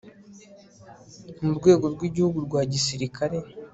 murwego rwigihugu rwa gisirikare